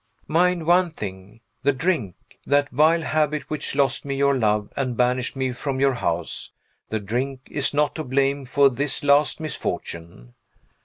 Mind one thing. The drink that vile habit which lost me your love and banished me from your house the drink is not to blame for this last misfortune.